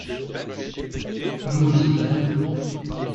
Nous aussi